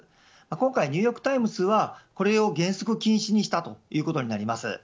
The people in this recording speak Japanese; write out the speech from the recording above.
今回ニューヨーク・タイムズはこれを原則禁止にしたということになります。